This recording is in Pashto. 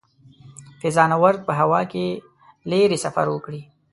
فضانورد په هوا کې لیرې سفر وکړي.